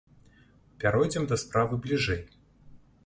Пяройдзем да справы бліжэй.